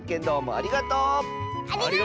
ありがとう！